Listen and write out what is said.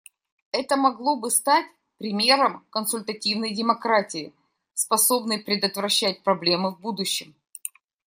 Это могло бы стать примером консультативной демократии, способной предотвращать проблемы в будущем.